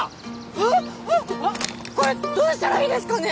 あっあっこれどうしたらいいですかね！？